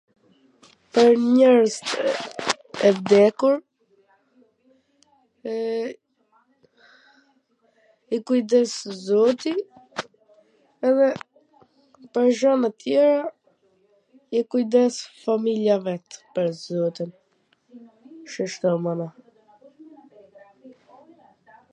Pwr njerzt e vdekur i kujdes zoti edhe pwr gjana tjera i kujdes familja e vet, pwr zotin, shishto mana.